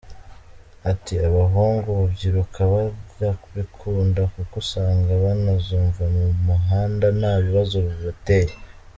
Ati"Abahungu babyiruka barabikunda kuko usanga banazumva mu muhanda nta bibazo bibateye.